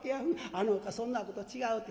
あの子はそんな子と違うて。